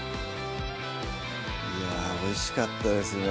いやぁおいしかったですね